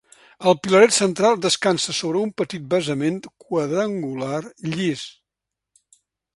El pilaret central descansa sobre un petit basament quadrangular, llis.